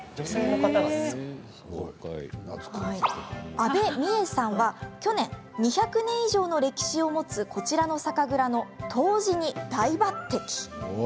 阿部美恵さんは、去年２００年以上の歴史を持つこちらの酒蔵の杜氏に大抜てき。